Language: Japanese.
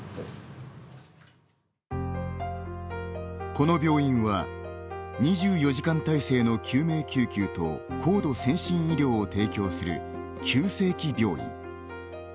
この病院は２４時間体制の救命救急と高度先進医療を提供する急性期病院。